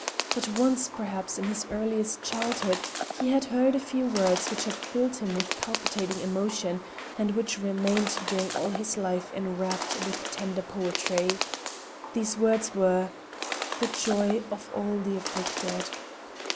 But once, perhaps in his earliest childhood, he had heard a few words which had filled him with palpitating emotion and which remained during all his life enwrapped with tender poetry. These words were: "The joy of all the afflicted..."